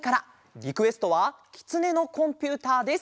リクエストは「きつねのコンピューター」です。